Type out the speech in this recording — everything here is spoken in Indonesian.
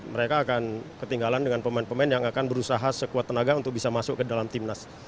mereka akan ketinggalan dengan pemain pemain yang akan berusaha sekuat tenaga untuk bisa masuk ke dalam timnas